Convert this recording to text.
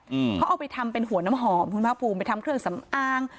อืมเขาเอาไปทำเป็นหัวน้ำหอมคุณภาคภูมิไปทำเครื่องสำอาง